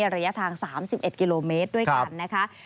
ระยะทาง๓๑กิโลเมตรด้วยกันนะคะ